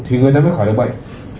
thì người ta mới khỏi được bệnh